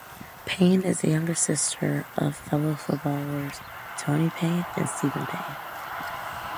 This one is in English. Payne is the younger sister of fellow footballers Toni Payne and Stephen Payne.